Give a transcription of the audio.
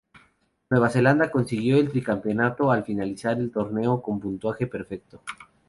Nueva Zelanda consiguió el tricampeonato al finalizar el torneo con puntaje perfecto.